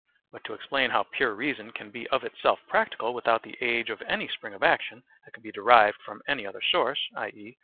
But to explain how pure reason can be of itself practical without the aid of any spring of action that could be derived from any other source, i.e.